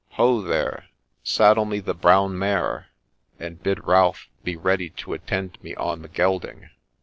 Ho, there !— saddle me the brown mare, and bid Ralph be ready to attend me on the gelding.'